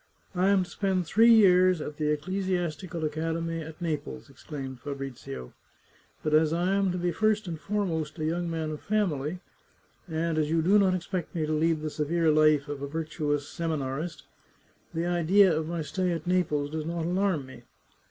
" I am to spend three years at the Ecclesiastical Acad emy at Naples," exclaimed Fabrizio. " But as I am to be first and foremost a young man of family, and as you do not expect me to lead the severe life of a virtuous semina rist, the idea of my stay at Naples does not alarm me.